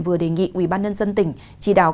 vừa đề nghị ubnd tỉnh chỉ đào